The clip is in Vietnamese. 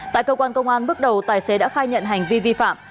tại cơ quan công an bước đầu tài xế đã khai nhận hành vi vi phạm